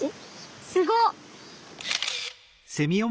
すごっ！